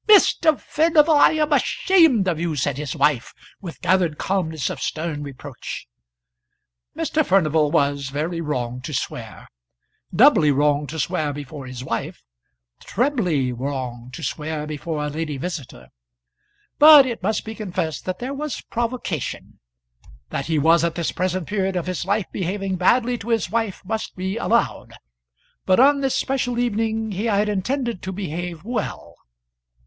"Mr. Furnival, I am ashamed of you," said his wife with gathered calmness of stern reproach. Mr. Furnival was very wrong to swear; doubly wrong to swear before his wife; trebly wrong to swear before a lady visitor; but it must be confessed that there was provocation. That he was at this present period of his life behaving badly to his wife must be allowed, but on this special evening he had intended to behave well.